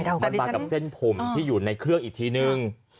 มันมากับเส้นผมที่อยู่ในเครื่องอีกทีนึง